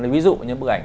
ví dụ như bức ảnh